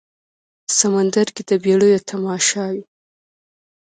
سمندر کې د بیړیو تماشا وي